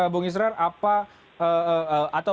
bung israel apa atau